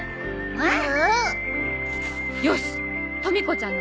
うん？